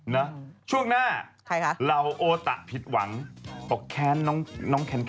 นะช่วงหน้าใครคะเหล่าโอตะผิดหวังบอกแค้นน้องแคน